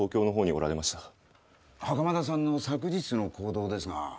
袴田さんの昨日の行動ですが。